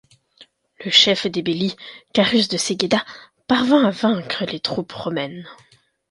Le chef des Belli, Carus de Segeda, parvint à vaincre les troupes romaines.